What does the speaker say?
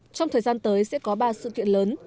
trong thời gian tới sẽ có ba sự kiện lớn